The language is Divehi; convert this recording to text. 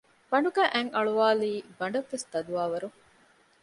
ބަނޑުގައި އަތް އަޅުވާލީ ބަނޑަށްވެސް ތަދުވާ ވަރުން